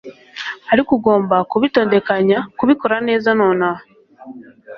ariko ugomba kubitondekanya, kubikora neza nonaha